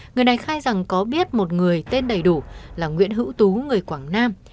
người này khai rằng có biết một người tên đầy đủ là nguyễn hữu tú người quảng nam